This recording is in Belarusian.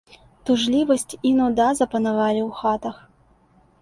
Тужлівасць і нуда запанавалі ў хатах.